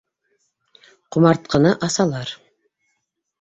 Ҡомартҡыны асалар.